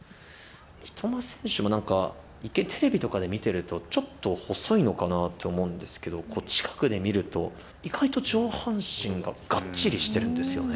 三笘選手もなんか、一見、テレビとかで見てるとちょっと細いのかなって思うんですけど、近くで見ると、意外と上半身ががっちりしてるんですよね。